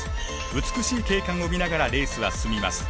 美しい景観を見ながらレースは進みます。